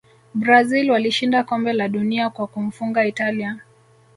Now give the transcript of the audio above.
brazil walishinda kombe la dunia kwa kumfunga italia